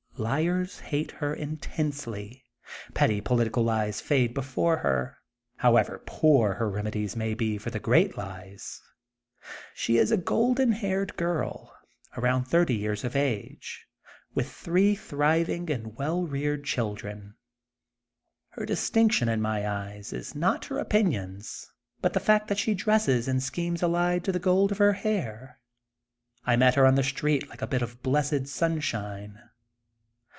Liars hate her intensely. Petty political lies fade before her, however poor her remedies may be for the great lies. She is a golden haired girl, around thirty years of age, with three thriving and well reared children. Her distinction, in my eyes, is not her opinions, but the fact that she dresses in schemes allied to the gold of her hair. I meet her on the street like a bit of blessed sunshine.